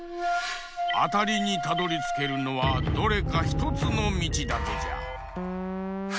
あたりにたどりつけるのはどれかひとつのみちだけじゃ。